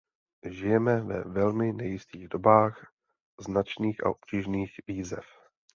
Žijeme ve velmi nejistých dobách značných a obtížných výzev.